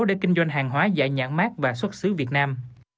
để kinh doanh hàng hóa dạng nhãn mát và xuất xứ việt nam